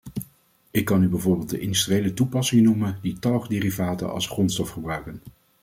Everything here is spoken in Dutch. Ik kan u bijvoorbeeld de industriële toepassingen noemen die talgderivaten als grondstof gebruiken.